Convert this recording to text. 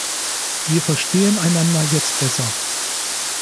Wir verstehen einander jetzt besser.